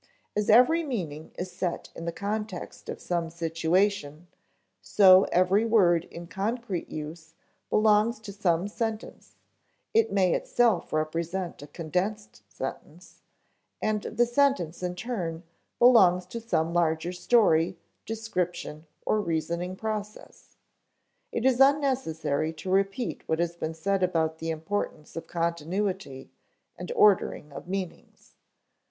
As every meaning is set in the context of some situation, so every word in concrete use belongs to some sentence (it may itself represent a condensed sentence), and the sentence, in turn, belongs to some larger story, description, or reasoning process. It is unnecessary to repeat what has been said about the importance of continuity and ordering of meanings.